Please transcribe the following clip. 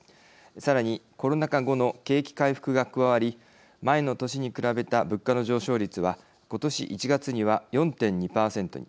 さらに、コロナ禍後の景気回復が加わり前の年に比べた物価の上昇率は今年１月には４．２％に。